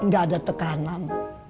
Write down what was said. gak ada tekanan